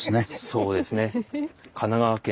そうですね。